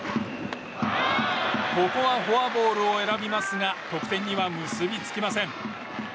ここはフォアボールを選びますが得点には結び付きません。